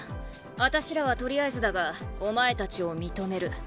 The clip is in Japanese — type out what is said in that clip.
あたしらは取りあえずだがお前たちを認める。